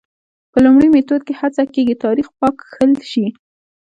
په لومړي میتود کې هڅه کېږي تاریخ پاک کښل شي.